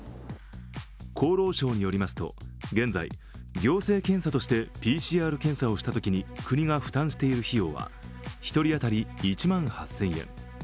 厚労省によりますと、現在、行政検査としてＰＣＲ検査をしたときに国が負担している費用は１人当たり１万８０００円。